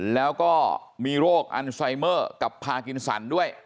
แล้วก็มีโรคอันไซเมอร์กับพากินสันด้วย